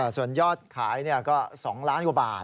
ส่วนยอดขายก็๒ล้านกว่าบาท